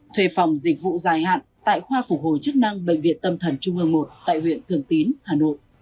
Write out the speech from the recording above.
thuê phòng dịch vụ dài hạn tại khoa phục hồi chức năng bệnh viện tâm thần trung ương một tại huyện thường tín hà nội